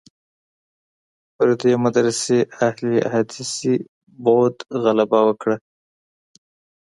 پر دې مدرسې اهل حدیثي بعد غلبه وکړه.